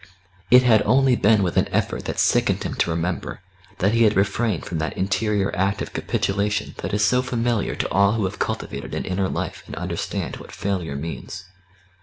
It had only been with an effort that sickened him to remember, that he had refrained from that interior act of capitulation that is so familiar to all who have cultivated an inner life and understand what failure means.